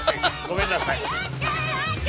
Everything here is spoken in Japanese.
ごめんなさい。